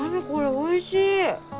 おいしい！